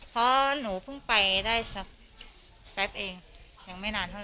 เพราะหนูเพิ่งไปได้สักแป๊บเองยังไม่นานเท่าไ